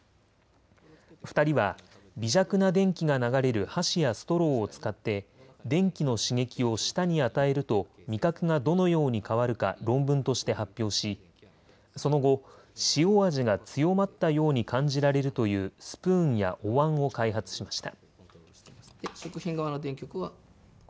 ２人は微弱な電気が流れる箸やストローを使って電気の刺激を舌に与えると味覚がどのように変わるか論文として発表しその後、塩味が強まったように感じられるというスプーンやおわんを開発しました。